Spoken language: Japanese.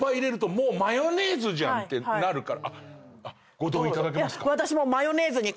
ご同意いただけますか。